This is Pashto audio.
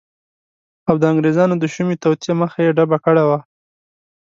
او د انګریزانو د شومی توطیه مخه یی ډبه کړی وه